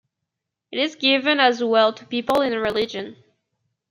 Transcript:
It is given as well to people in religion.